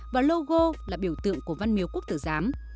và logo là biểu tượng của văn miếu quốc tử giám